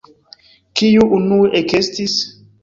Kiu unue ekestis?